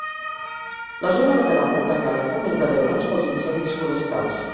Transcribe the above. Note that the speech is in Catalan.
La zona va quedar molt danyada fa més de deu anys pels incendis forestals.